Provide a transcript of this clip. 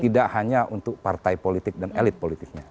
tidak hanya untuk partai politik dan elit politiknya